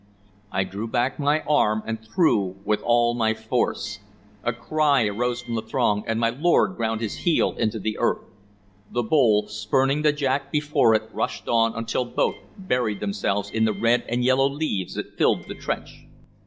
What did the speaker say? I drew back my arm and threw with all my force. A cry arose from the throng, and my lord ground his heel into the earth. The bowl, spurning the jack before it, rushed on, until both buried themselves in the red and yellow leaves that filled the trench.